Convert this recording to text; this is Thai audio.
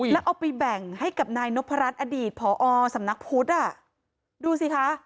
แล้วเอาไปแบ่งให้กับนายนพรัชอดีตผอสำนักพุทธอ่ะดูสิคะ